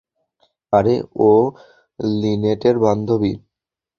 আরে, ও লিনেটের বান্ধবী!